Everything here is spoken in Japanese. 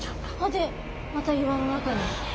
でまた岩の中に。